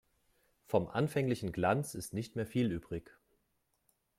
Vom anfänglichen Glanz ist nicht mehr viel übrig.